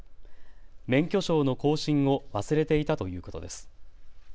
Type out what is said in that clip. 免許証の更新を忘れていたということです。